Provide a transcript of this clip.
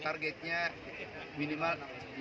itu targetnya minimal enam puluh